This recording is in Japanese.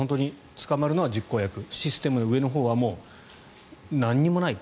捕まるのは実行役システムの上のほうは何もない。